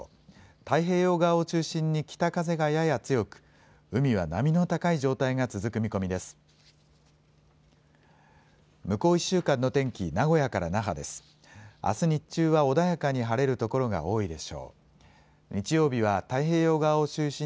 太平洋側を中心に北風がやや強く海は波の高い状態が続く見込みです。